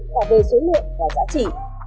đảm bê số lượng và giá trị